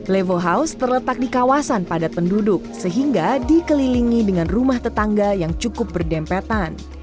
levo house terletak di kawasan padat penduduk sehingga dikelilingi dengan rumah tetangga yang cukup berdempetan